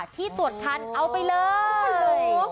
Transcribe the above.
ที่ตรวจทันเอาไปเลย